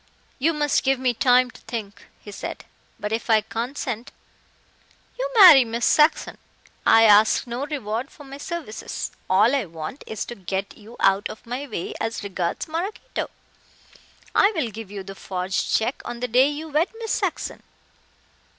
"You must give me time to think," he said, "but if I consent " "You marry Miss Saxon. I ask no reward for my services. All I want is to get you out of my way as regards Maraquito. I will give you the forged check on the day you wed Miss Saxon.